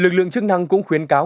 lực lượng chức năng cũng khuyến cáo